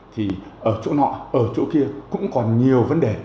thì ở chỗ nọ ở chỗ kia cũng còn nhiều vấn đề